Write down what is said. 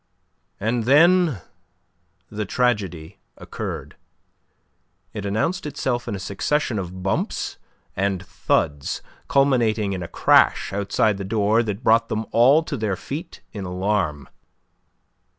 And then the tragedy occurred. It announced itself in a succession of bumps and thuds, culminating in a crash outside the door that brought them all to their feet in alarm.